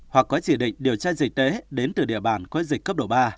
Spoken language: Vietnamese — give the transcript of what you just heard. hoặc có chỉ định điều tra dịch tế đến từ địa bàn có dịch cấp độ ba